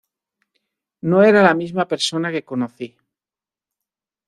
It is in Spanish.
No era la misma persona que conocí".